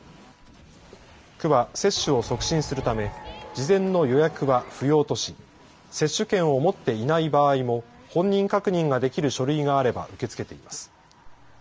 区は接種を促進するため事前の予約は不要とし接種券を持っていない場合も本人確認ができる書類があれば受け付けています。